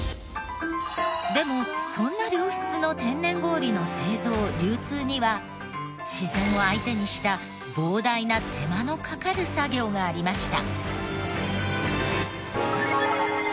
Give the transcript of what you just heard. でもそんな良質の天然氷の製造・流通には自然を相手にした膨大な手間のかかる作業がありました。